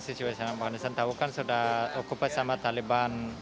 situasi yang afganistan tahu kan sudah okupasi oleh taliban